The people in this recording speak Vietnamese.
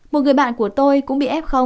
một người bạn của tôi cũng bị f